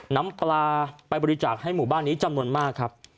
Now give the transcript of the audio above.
น้ำปลาไปบริจาคให้หมู่บ้านนี้จำนวนมากครับ